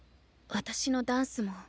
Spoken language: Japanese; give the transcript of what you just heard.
私のダンスも。